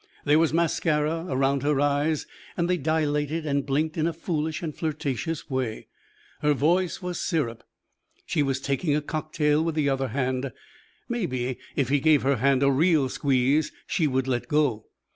There was mascara around her eyes and they dilated and blinked in a foolish and flirtatious way; her voice was syrup. She was taking a cocktail with the other hand maybe if he gave her hand a real squeeze, she would let go.